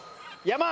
山。